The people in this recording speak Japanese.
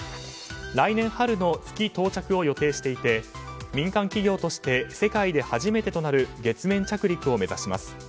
来年春の月到着を予定していて民間企業として世界で初めてとなる月面着陸を目指します。